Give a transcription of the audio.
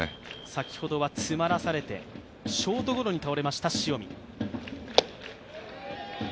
先ほどは詰まらされて、ショートゴロに倒れました塩見。